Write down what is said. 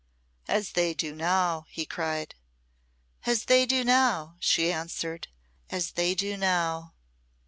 "As they do now," he cried. "As they do now," she answered "as they do now!"